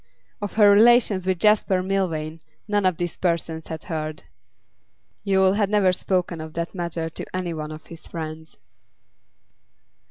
Of her relations with Jasper Milvain none of these persons had heard; Yule had never spoken of that matter to any one of his friends.